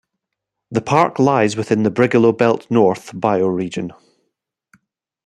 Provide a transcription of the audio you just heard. The park lies within the Brigalow Belt North bioregion.